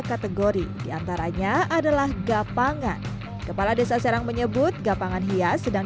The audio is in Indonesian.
kategori diantaranya adalah gapangan kepala desa serang menyebut gapangan hias sedang